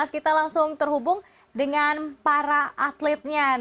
kita langsung terhubung dengan para atletnya